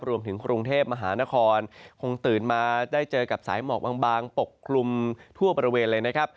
รวมถึงกรุงเทพมหานครคงตื่นมาได้เจอกับสายหมอกบางปกคลุมทั่วบริเวณเลยนะครับ